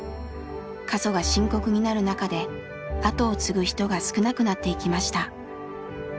過疎が深刻になる中で後を継ぐ人が少なくなっていきました。